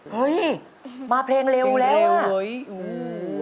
เฮ้ยมาเพลงเร็วแล้ว